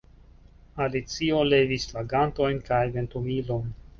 Alicio levis la gantojn kaj ventumilon.